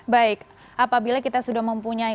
baik apabila kita sudah mempunyai